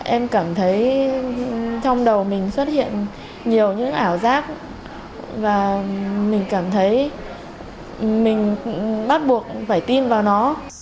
em cảm thấy trong đầu mình xuất hiện nhiều những ảo giác và mình cảm thấy mình bắt buộc phải tin vào nó